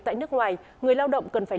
tại nước ngoài người lao động cần phải